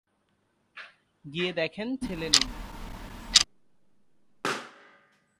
গিয়ে দেখেন ছেলে নেই।